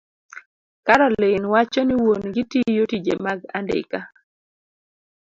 Caroline wacho ni wuon-gi tiyo tije mag andika,